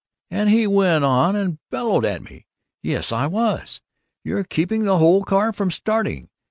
and he went on and bellowed at me, 'Yes, I was! You're keeping the whole car from starting!